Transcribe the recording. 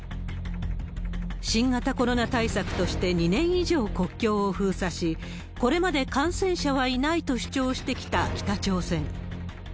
新型コロナ対策として、２年以上国境を封鎖し、これまで感染者はいないと主張してきた北朝鮮。